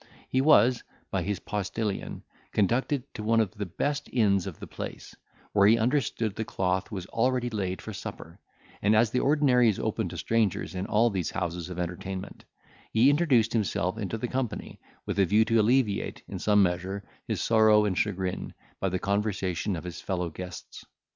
He was, by his postillion, conducted to one of the best inns of the place, where he understood the cloth was already laid for supper; and as the ordinary is open to strangers in all these houses of entertainment, he introduced himself into the company, with a view to alleviate, in some measure, his sorrow and chagrin, by the conversation of his fellow guests.